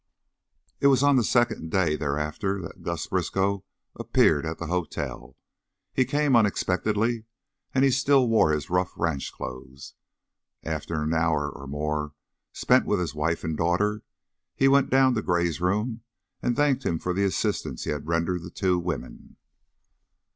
It was on the second day thereafter that Gus Briskow appeared at the hotel. He came unexpectedly, and he still wore his rough ranch clothes. After an hour or more spent with his wife and daughter, he went down to Gray's room and thanked him for the assistance he had rendered the two women.